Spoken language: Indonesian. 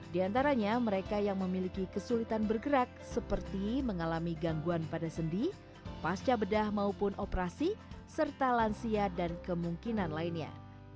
di antaranya mereka yang memiliki kesulitan bergerak seperti mengalami gangguan pada sendi pasca bedah maupun operasi serta lansia dan kemungkinan lainnya